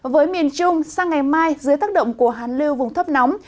với miền trung sang ngày mai dưới tác động của hàn lưu vùng thấp nóng